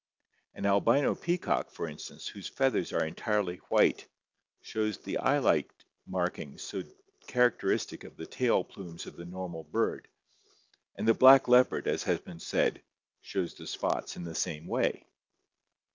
An albino peacock, for instance, whose feathers are en tirely white, shows the eye like markings so characteristic of the tail plumes of the normal bird, and the black leopard, as has been said, shows the spots in the same way.